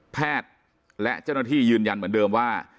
แพทย์และเจ้าหน้าที่ยืนยันเหมือนเดิมว่า